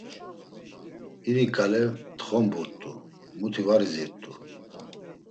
İri kale txomburt̆u, muti var izirt̆u.